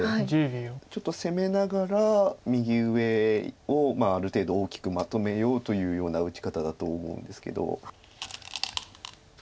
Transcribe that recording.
ちょっと攻めながら右上をある程度大きくまとめようというような打ち方だと思うんですけど。